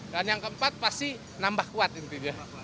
dan yang keempat pasti nambah kuat intinya